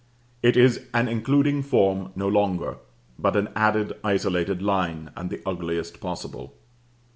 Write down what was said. It is an including form no longer, but an added, isolated line, and the ugliest possible.